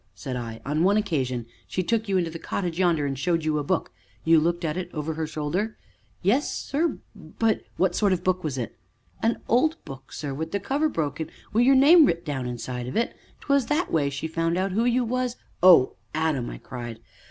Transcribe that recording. said I; "on one occasion she took you into the cottage yonder and showed you a book you looked at it over her shoulder?" "Yes, sir but " "What sort of book was it?" "A old book, sir, wi' the cover broke, and wi' your name writ down inside of it; 'twas that way as she found out who you was " "Oh, Adam!" I cried.